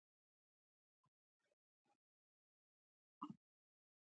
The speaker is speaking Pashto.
منډه د ارام ژوند نښه ده